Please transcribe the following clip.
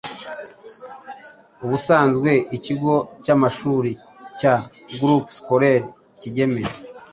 Ubusanzwe ikigo cy’amashuri cya Groupe scolaire Kigeme